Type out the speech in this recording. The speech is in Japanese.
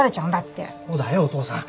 そうだよお父さん。